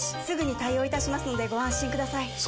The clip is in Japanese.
すぐに対応いたしますのでご安心ください